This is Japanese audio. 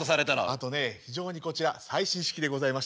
あとね非常にこちら最新式でございまして。